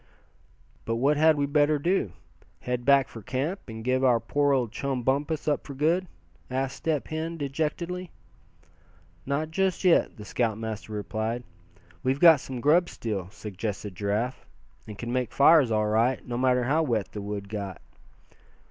"But what had we better do head back for camp, and give our poor old chum Bumpus up for good?" asked Step Hen, dejectedly. "Not just yet," the scoutmaster replied. "We've got some grub still," suggested Giraffe, "and can make fires all right, no matter how wet the wood got."